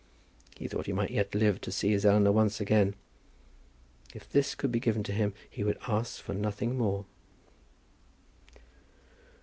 He thought he might yet live to see his Eleanor once again. If this could be given to him he would ask for nothing more.